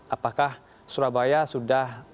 apakah surabaya sudah